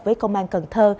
với công an cần thơ